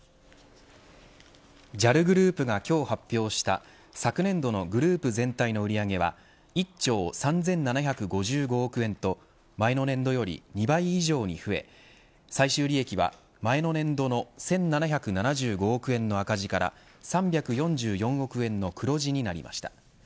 ＪＡＬグループが今日発表した昨年度のグループ全体の売り上げは１兆３７５５億円と前の年度より２倍以上に増え最終利益は、前の年度の１７７５億円の赤字から３４４億円の黒字になりました。